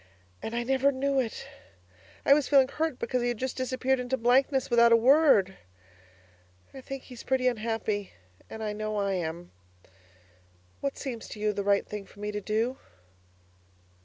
And I never knew it. I was feeling hurt because he had just disappeared into blankness without a word. I think he's pretty unhappy, and I know I am! What seems to you the right thing for me to do?